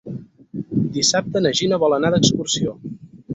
Dissabte na Gina vol anar d'excursió.